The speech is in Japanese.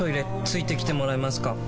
付いてきてもらえますか？